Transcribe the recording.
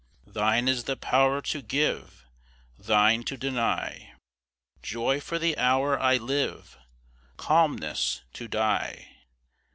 Thine is the power to give, Thine to deny, Joy for the hour I live Calmness to die.